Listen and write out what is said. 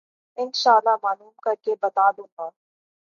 ان شاءاللہ معلوم کر کے بتا دوں گا۔